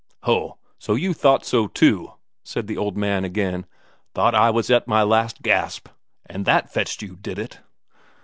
"Ho, so you thought so, too?" said the old man again. "Thought I was at my last gasp, and that fetched you, did it?"